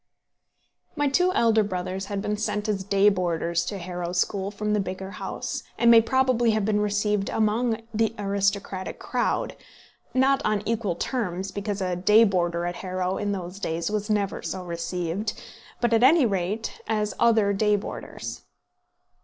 ] My two elder brothers had been sent as day boarders to Harrow School from the bigger house, and may probably have been received among the aristocratic crowd, not on equal terms, because a day boarder at Harrow in those days was never so received, but at any rate as other day boarders.